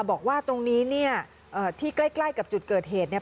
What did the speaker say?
บอกว่าตรงนี้เนี่ยที่ใกล้กับจุดเกิดเหตุเนี่ย